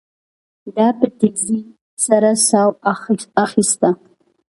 ده په تيزۍ سره ساه اخيسته.